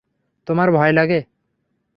তোমার ভয় লাগে?